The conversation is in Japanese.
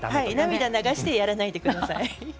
涙を流してやらないでください。